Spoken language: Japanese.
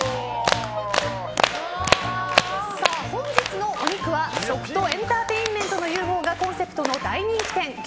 本日のお肉は食とエンターテインメントの融合がコンセプトの大人気店牛